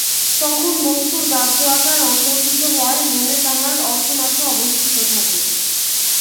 তখন বস্তুর বাহ্য আকার অন্তর্হিত হয়, মনে তাহার অর্থমাত্র অবশিষ্ট থাকে।